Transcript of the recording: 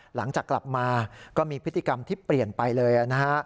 หลังจากกลับมาก็มีพฤติกรรมที่เปลี่ยนไปเลยนะฮะ